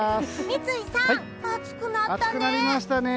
三井さん、暑くなったね！